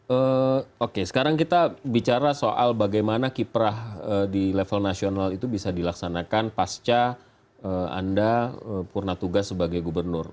oke sekarang kita bicara soal bagaimana kiprah di level nasional itu bisa dilaksanakan pasca anda purna tugas sebagai gubernur